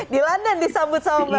di london disambut sambut